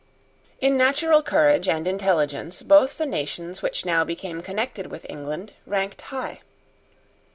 In natural courage and intelligence both the nations which now became connected with England ranked high.